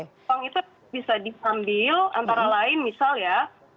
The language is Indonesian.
jadi yang itu bisa diambil antara lain misalnya